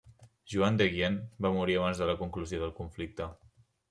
Joan d'Enghien va morir abans de la conclusió del conflicte.